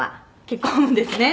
「結婚ですね」